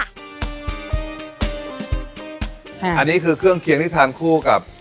อันนี้คือเครื่องเคียงที่ทานคู่กับ